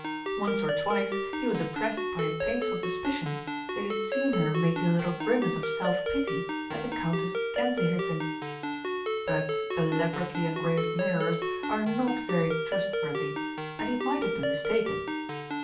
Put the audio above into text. Once or twice he was oppressed by a painful suspicion that he had seen her making a little grimace of self pity at the Countess Gänsehirtin. But elaborately engraved mirrors are not very trustworthy, and he might have been mistaken.